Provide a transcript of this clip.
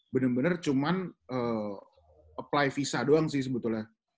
bener bener cuman apply visa doang sih sebetulnya